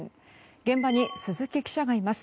現場に、鈴木記者がいます。